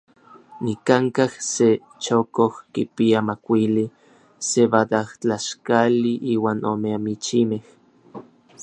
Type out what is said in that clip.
Nikankaj se chokoj kipia makuili sebadajtlaxkali iuan ome amichimej.